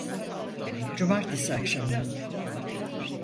Cumartesi akşamı.